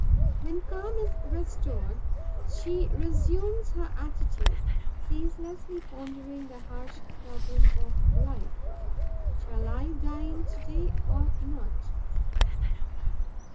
When calm is restored, she resumes her attitude, ceaselessly pondering the harsh problem of life: 'Shall I dine to day, or not?'